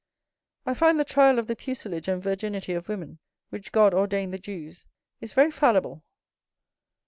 I find the trial of the pucelage and virginity of women, which God ordained the Jews, is very fallible.